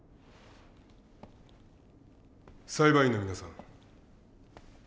裁判員の皆さん。